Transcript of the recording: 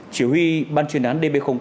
chỉ huy ban chuyên án db tám